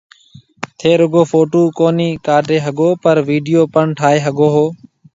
ٿيَ رُگو ڦوٽُو ڪونِي ڪاڊَي ھگو پر ويڊيو پڻ ٺائيَ ھگو ھو